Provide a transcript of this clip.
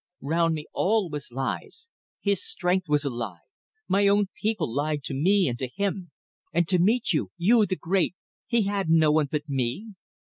Round me all was lies. His strength was a lie. My own people lied to me and to him. And to meet you you, the great! he had no one but me?